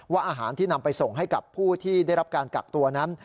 อาหารที่นำไปส่งให้กับผู้ที่ได้รับการกักตัวนั้น